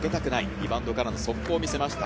リバウンドからの速攻を見せました。